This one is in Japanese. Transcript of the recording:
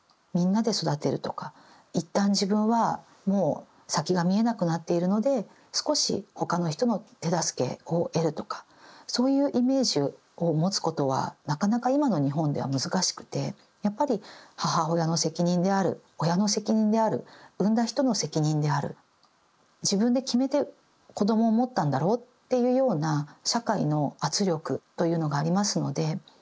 みんなで育てるとか一旦自分はもう先が見えなくなっているので少し他の人の手助けを得るとかそういうイメージを持つことはなかなか今の日本では難しくてやっぱり母親の責任である親の責任である産んだ人の責任である自分で決めて子どもを持ったんだろうっていうような社会の圧力というのがありますので。